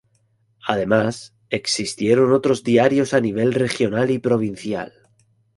Además, existieron otros diarios a nivel regional y provincial.